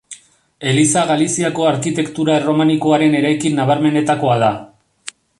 Eliza Galiziako arkitektura erromanikoaren eraikin nabarmenetakoa da.